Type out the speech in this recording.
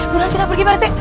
buruan kita pergi mana teh